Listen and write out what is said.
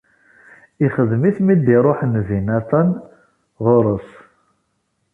Ixedm-it mi d-iruḥ nnbi Natan ɣur-s.